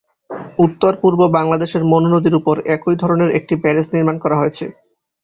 উত্তর পূর্ব বাংলাদেশের মনু নদীর উপর একই ধরনের একটি ব্যারেজ নির্মাণ করা হয়েছে।